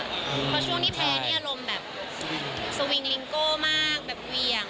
เพราะว่าช่วงที่เล้นอารมณ์แบบทราบร้อนสวิงลิ้นโก้มากแบบเวียง